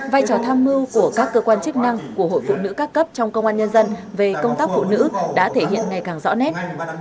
vai trò tham mưu của các cơ quan chức năng của hội phụ nữ các cấp trong công an nhân dân về công tác phụ nữ đã thể hiện ngày càng rõ nét